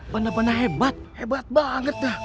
banda banda hebat hebat banget